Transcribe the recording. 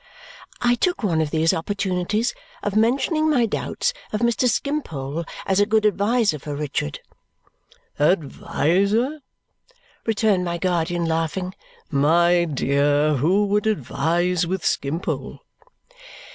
I took one of these opportunities of mentioning my doubts of Mr. Skimpole as a good adviser for Richard. "Adviser!" returned my guardian, laughing, "My dear, who would advise with Skimpole?"